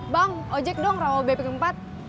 bang ojek dong rawal bp keempat